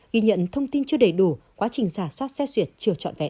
ghi nhận thông tin chưa đầy đủ quá trình giả soát xét xuyệt chưa trọn vẹn